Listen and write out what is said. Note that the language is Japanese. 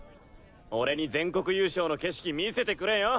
俺に全国優勝の景色見せてくれよ。